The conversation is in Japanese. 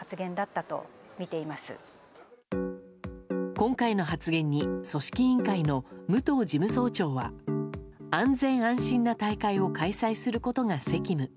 今回の発言に組織委員会の武藤事務総長は安全・安心な大会を開催することが責務。